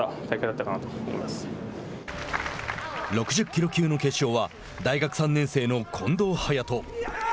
６０キロ級の決勝は大学３年生の近藤。